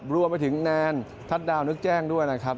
รวมไปถึงแนนทัศดาวนึกแจ้งด้วยนะครับ